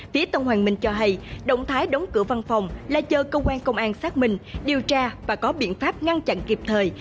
phía tân hoàng minh cho hay động thái đóng cửa văn phòng là chờ cơ quan công an xác minh điều tra và có biện pháp ngăn chặn kịp thời